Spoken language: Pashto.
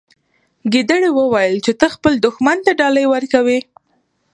ګیدړې وویل چې ته خپل دښمن ته ډالۍ ورکوي.